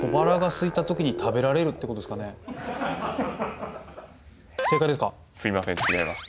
すいませんちがいます。